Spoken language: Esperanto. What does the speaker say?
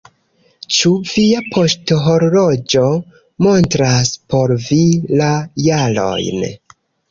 "Ĉu via poŝhorloĝo montras por vi la jarojn?"